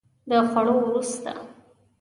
د خوړو وروسته